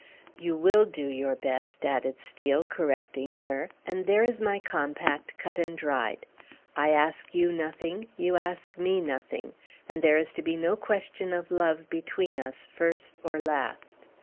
"You will do your best," added Steel, correcting her; "and there is my compact cut and dried. I ask you nothing; you ask me nothing; and there is to be no question of love between us, first or last.